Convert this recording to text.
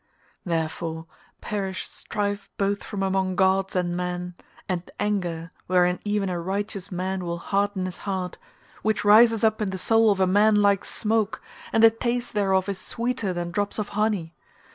Therefore, perish strife both from among gods and men, and anger, wherein even a righteous man will harden his heart—which rises up in the soul of a man like smoke, and the taste thereof is sweeter than drops of honey.